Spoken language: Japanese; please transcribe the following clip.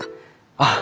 ああ。